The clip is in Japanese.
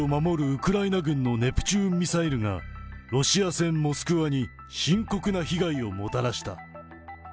ウクライナ軍のネプチューンミサイルが、ロシア船モスクワに深刻な被害をもたらした。